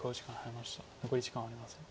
残り時間はありません。